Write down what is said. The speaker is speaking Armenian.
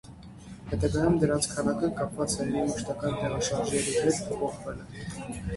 Հետագայում դրանց քանակը, կապված հայերի մշտական տեղաշարժերի հեա, փոփոխվել է։